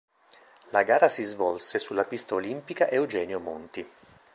La gara si svolse sulla pista olimpica Eugenio Monti.